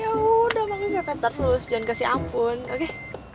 ya udah makin lepet terus jangan kasih ampun oke